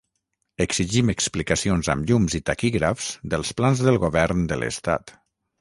Exigim explicacions amb llums i taquígrafs dels plans del govern de l’estat.